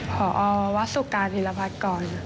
ผอวัศวิการธิราบาทกร